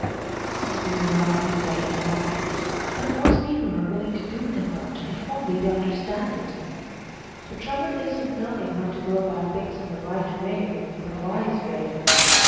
"Some people like being deaf and blind. But most people are willing to do their part if they only understand it. The trouble is in knowing how to go about things in the right way the wise way.